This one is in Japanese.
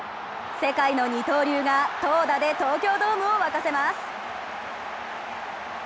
世界の二刀流が投打で東京ドームをわかせます